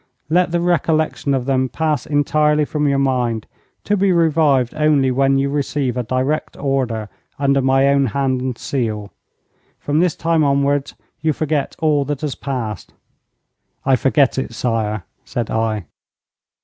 Let the recollection of them pass entirely from your mind, to be revived only when you receive a direct order under my own hand and seal. From this time onwards you forget all that has passed.' 'I forget it, sire,' said I.